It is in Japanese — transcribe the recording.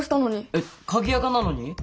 えっ鍵アカなのに？